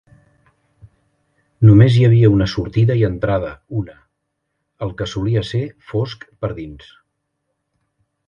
Només hi havia una sortida i entrada una, el que solia ser fosc per dins.